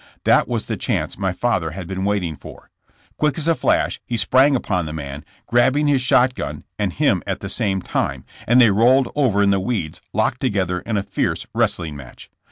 That was the chance my father had been waiting for. Quick as a flash he sprang upon the man, grabbing his shot gun and him at the same time, and they rolled over in the weeds locked together in a fierce wrestling match.